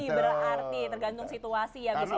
tergantung situasi ya